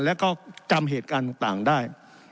แล้วก็จำเหตุการณ์ต่างได้